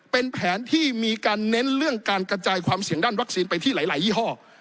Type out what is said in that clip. เป็นแผนที่มีการเน้นเรื่องการกระจายความเสี่ยงด้านวัคซีนไปที่หลายยี่ห้อ